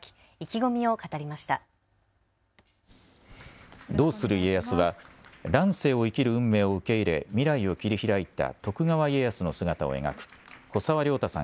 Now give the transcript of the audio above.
どうする家康は乱世を生きる運命を受け入れ未来を切り開いた徳川家康の姿を描く古沢良太さん